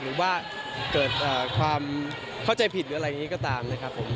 หรือว่าเกิดความเข้าใจผิดหรืออะไรอย่างนี้ก็ตามนะครับผม